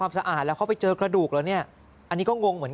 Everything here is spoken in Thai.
สะอาดแล้วเขาไปเจอกระดูกแล้วเนี่ยอันนี้ก็งงเหมือนกัน